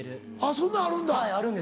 そんなんあるんだ。